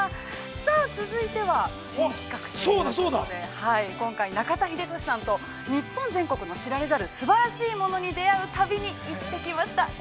さあ続いては新企画ということで今回中田さんと、日本全国の知られざるすばらしいものに出会う旅に行ってきました。